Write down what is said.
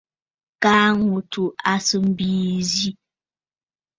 Kaa ŋù tsù à sɨ mbìì zî.